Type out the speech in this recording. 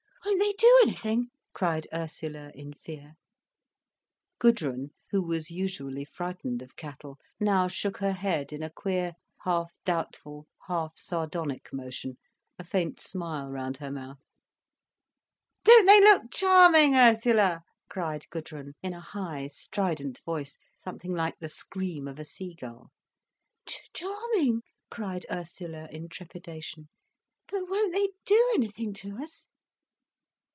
"Won't they do anything?" cried Ursula in fear. Gudrun, who was usually frightened of cattle, now shook her head in a queer, half doubtful, half sardonic motion, a faint smile round her mouth. "Don't they look charming, Ursula?" cried Gudrun, in a high, strident voice, something like the scream of a seagull. "Charming," cried Ursula in trepidation. "But won't they do anything to us?"